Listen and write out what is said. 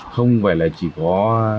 không phải là chỉ có